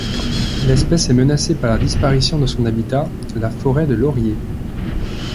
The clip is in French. L'espèce est menacée par la disparition de son habitat, la forêt de lauriers.